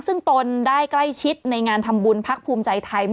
ซึ่งตนได้ใกล้ชิดในงานทำบุญพักภูมิใจไทย